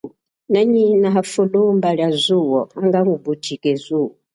Nanyina hafulumba lia zuwo hanga ngupuchike zuwo.